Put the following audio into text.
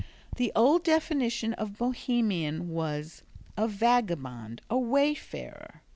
The old definition of Bohemian was "a vagabond, a wayfarer."